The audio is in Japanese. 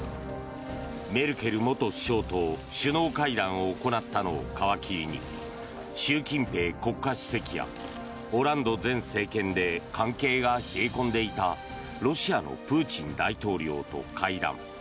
メルケル元首相と首脳会談を行ったのを皮切りに習近平国家主席やオランド前政権で関係が冷え込んでいたロシアのプーチン大統領と会談。